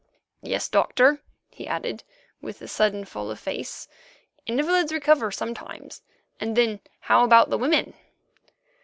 "Yes, Doctor; but," he added, with a sudden fall of face, "invalids recover sometimes, and then how about the women."